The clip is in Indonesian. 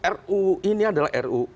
ru ini adalah ru